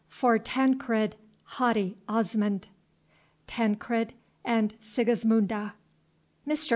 for Tancred, haughty Osmond. TANCRED AND SIGISMUNDA. Mr.